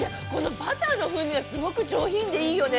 ◆バターの風味がすごく上品でいいよね。